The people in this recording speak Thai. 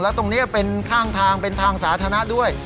ตรงนี้เป็นข้างทางเป็นทางสาธารณะด้วย